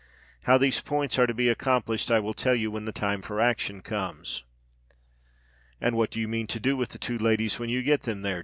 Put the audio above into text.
How these points are to be accomplished, I will tell you when the time for action comes." "And what do you mean to do with the two ladies when you get them there?"